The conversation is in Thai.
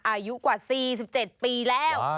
อายุกว่า๔๗ปีแล้ว